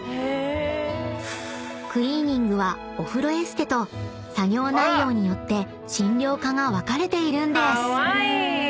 ［クリーニングはお風呂エステと作業内容によって診療科が分かれているんです］